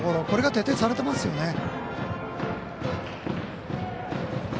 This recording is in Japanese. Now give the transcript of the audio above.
これが徹底されてますよね。